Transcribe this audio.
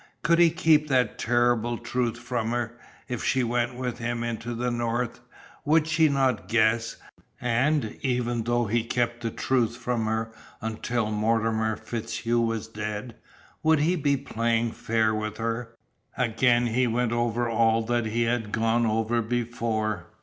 Could he keep that terrible truth from her? If she went with him into the North, would she not guess? And, even though he kept the truth from her until Mortimer FitzHugh was dead, would he be playing fair with her? Again he went over all that he had gone over before.